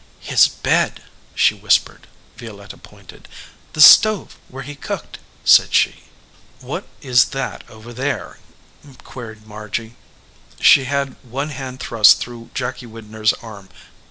"His bed/ she whispered. Violetta pointed. "The stove where he cooked," said she. "What is that over there ?" queried Margy. She had one hand thrust through Jacky Widner s arm.